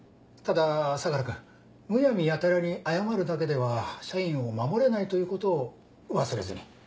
ただ相良君むやみやたらに謝るだけでは社員を守れないということを忘れずに。